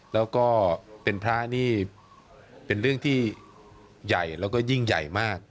แล้วก็เป็นพระนี่เป็นเรื่องที่ใหญ่แล้วก็ยิ่งใหญ่มาก